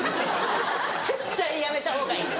絶対やめた方がいい！